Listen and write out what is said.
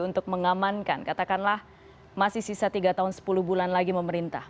untuk mengamankan katakanlah masih sisa tiga tahun sepuluh bulan lagi memerintah